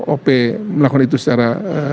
o p melakukan itu secara